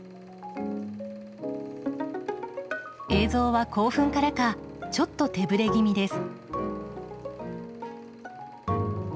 映像は興奮からかちょっと手ぶれ気味です。